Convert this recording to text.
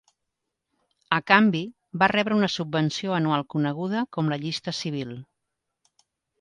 A canvi, va rebre una subvenció anual coneguda com la llista civil.